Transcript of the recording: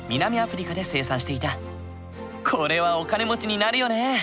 これはお金持ちになるよね！